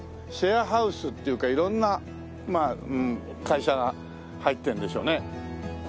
シェアハウスっていうか色んな会社が入ってるんでしょうね。